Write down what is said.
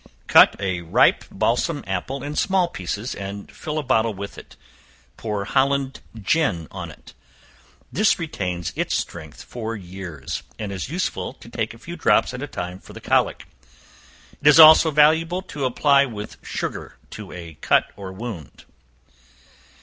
Cut a ripe balsam apple in small pieces, and fill a bottle with it; pour Holland gin on it. This retains its strength for years, and is useful to take a few drops at a time for the colic; it is also valuable to apply with sugar to a cut or wound.